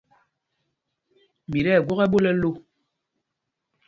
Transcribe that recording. Mi tí ɛgwok ɛ́ɓól ɛ lō.